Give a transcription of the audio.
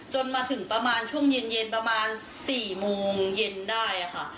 จนมาถึงประมาณช่วงเย็นประมาณ๔โมงเย็นได้ค่ะ